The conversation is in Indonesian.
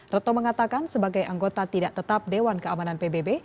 retno mengatakan sebagai anggota tidak tetap dewan keamanan pbb